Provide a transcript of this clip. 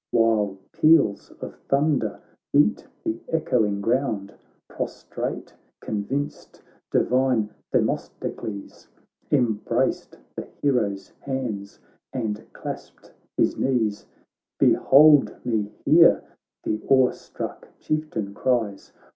While peals of thunder beat the echoing ground. Prostrate, convinced, divine Themisto cles Embraced the hero's hands, and clasped his knees : 'Behold me here' (the awe struck Chieftain cries.